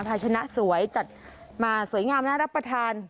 ภาชนะสวยจัดมาสวยงามน่ารับประทาน